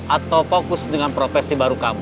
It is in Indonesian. atau fokus dengan profesi baru kamu